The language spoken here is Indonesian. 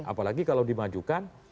apalagi kalau dimajukan